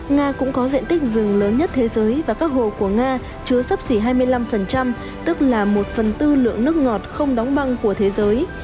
nga cũng có diện tích rừng lớn nhất thế giới và các hồ của nga chứa sắp xỉ hai mươi năm tức là một phần tư lượng nước ngọt không đóng băng của thế giới